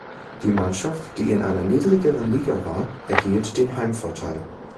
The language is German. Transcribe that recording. Die Mannschaft, die in einer niedrigeren Liga war, erhielt den Heimvorteil.